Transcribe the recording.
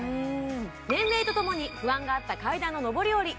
年齢とともに不安があった階段の上り下り